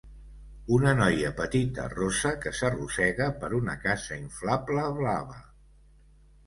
Una noia petita rossa que s'arrossega per una casa inflable blava.